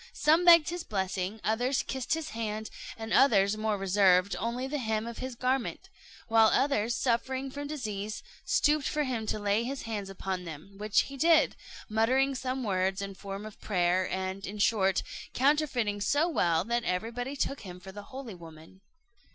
Some begged his blessing, others kissed his hand, and others, more reserved, only the hem of his garment; while others, suffering from disease, stooped for him to lay his hands upon them; which he did, muttering some words in form of prayer, and, in short, counterfeiting so well, that everybody took him for the holy woman.